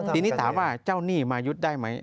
ทีนี้ถามว่าเจ้าหนี้มายึดได้ไหม